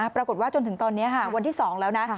จนถึงตอนนี้วันที่๒แล้วนะ